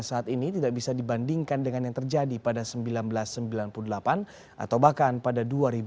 saat ini tidak bisa dibandingkan dengan yang terjadi pada seribu sembilan ratus sembilan puluh delapan atau bahkan pada dua ribu